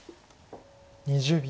２０秒。